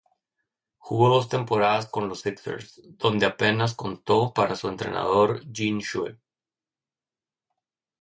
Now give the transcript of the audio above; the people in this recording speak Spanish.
Jugó dos temporadas con los Sixers, donde apenas contó para su entrenador, Gene Shue.